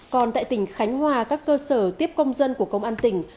còn tại tỉnh khánh hòa các cơ sở tiếp công dân của công an tỉnh